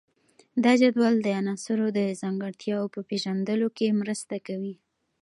دا جدول د عناصرو د ځانګړتیاوو په پیژندلو کې مرسته کوي.